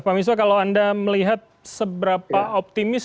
pak miswa kalau anda melihat seberapa optimis